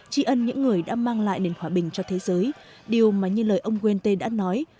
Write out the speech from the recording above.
trí ân những người đã mang lại nền hòa bình cho thế giới điều mà như lời ông quen tê đã nói